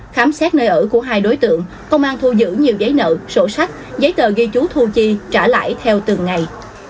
khám xét nơi ở của hai đối tượng công an thu giữ nhiều giấy nợ sổ sách giấy tờ ghi chú thu chi trả lại theo từng ngày